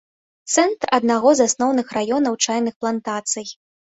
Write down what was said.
Цэнтр аднаго з асноўных раёнаў чайных плантацый.